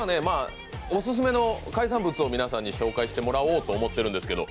オススメの海産物を皆さんに紹介してもらおうと思ってるんですけど。